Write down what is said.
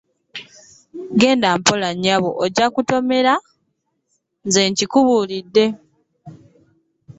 Genda mpola nnyabo ojja kutomera nze nkubuulidde.